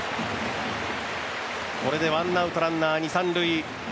これでワンアウトランナー、二・三塁。